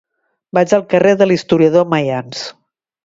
Vaig al carrer de l'Historiador Maians.